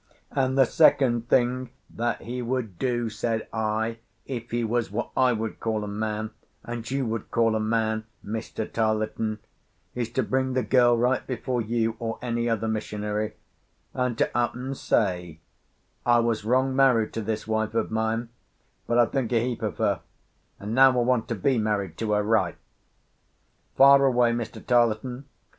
"And the second thing that he would do," said I, "if he was what I would call a man and you would call a man, Mr. Tarleton, is to bring the girl right before you or any other missionary, and to up and say: 'I was wrong married to this wife of mine, but I think a heap of her, and now I want to be married to her right.' Fire away, Mr. Tarleton.